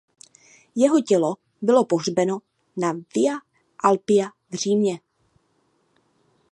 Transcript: Jeho tělo bylo pohřbeno na Via Apia v Římě.